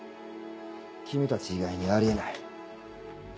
君たち以外にあり得ない。